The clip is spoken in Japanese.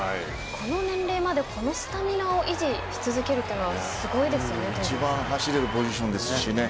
この年齢まで、このスタミナを維持し続けるというのは一番走れるポジションですしね。